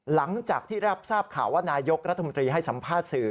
หลังจากที่รับทราบข่าวว่านายกรัฐมนตรีให้สัมภาษณ์สื่อ